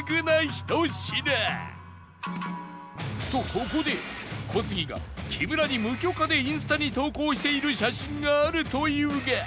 ここで小杉が木村に無許可でインスタに投稿している写真があるというが